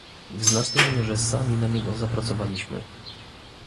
W znacznej mierze sami na niego zapracowaliśmy